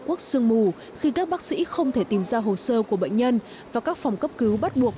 quốc sương mù khi các bác sĩ không thể tìm ra hồ sơ của bệnh nhân và các phòng cấp cứu bắt buộc